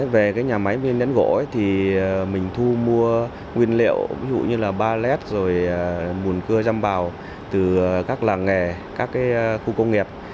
về nhà máy viên nén gỗ thì mình thu mua nguyên liệu ví dụ như là pallet rồi bùn cưa dăm bào từ các làng nghề các khu công nghiệp